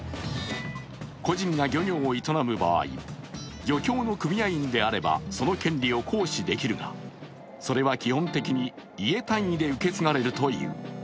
個人が漁業を営む場合漁協の組合員であればその権利を行使できるがそれは基本的に家単位で受け継がれるという。